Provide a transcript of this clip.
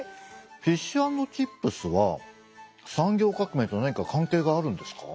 フィッシュ＆チップスは産業革命と何か関係があるんですか？